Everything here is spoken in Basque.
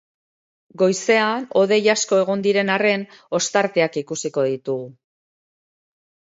Goizean hodei asko egongo diren arren, ostarteak ikusiko ditugu.